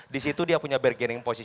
disitu dia punya bergantung